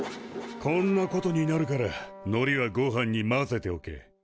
こんなことになるからのりはごはんに混ぜておけ。